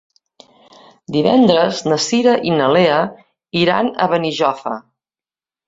Divendres na Cira i na Lea iran a Benijòfar.